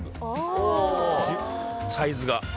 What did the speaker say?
サイズが。